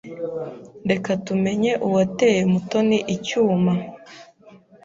Reka tumenye uwateye Mutoni icyuma.